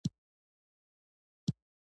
چاکلېټ د مطالعې پر وخت ښه ملګری وي.